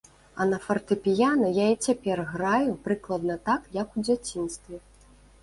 А на фартэпіяна я і цяпер граю прыкладна так, як у дзяцінстве.